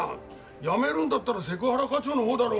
辞めるんだったらセクハラ課長の方だろうが！